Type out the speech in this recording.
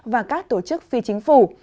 và các tổ chức phi chính phủ